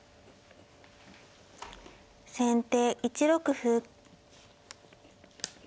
先手１六歩。